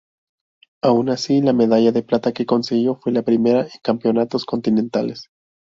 Aun así, la medalla de plata que consiguió fue la primera en campeonatos continentales.